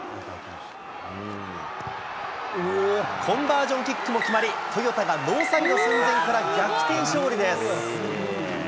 コンバージョンキックも決まり、トヨタがノーサイド寸前から逆転勝利です。